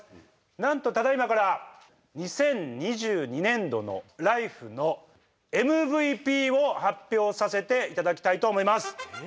なんとただいまから２０２２年度の「ＬＩＦＥ！」のＭＶＰを発表させていただきたいと思います！